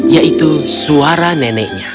yaitu suara neneknya